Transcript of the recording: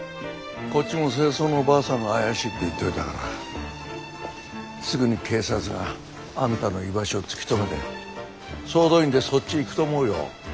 こっちも清掃のばあさんが怪しいって言っといたからすぐに警察があんたの居場所を突き止めて総動員でそっち行くと思うよ。